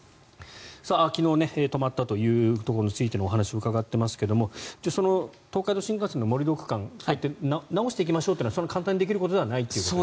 昨日、止まったということについてもお話を伺っていますが東海道新幹線の盛り土区間直していきましょうというのはそんなに簡単にできることではないと。